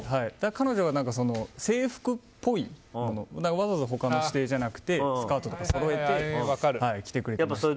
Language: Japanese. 彼女が制服っぽいわざわざ他の指定じゃなくてスカートとかそろえて着てくれてました。